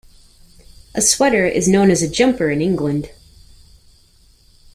A sweater is known as a jumper in England.